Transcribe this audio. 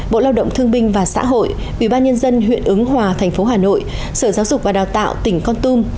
bộ lao động thương binh và xã hội ủy ban nhân dân huyện ứng hòa tp hà nội sở giáo dục và đào tạo tỉnh con tum